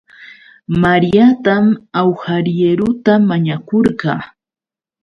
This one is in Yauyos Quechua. Mariatam awhariieruta mañakurqaa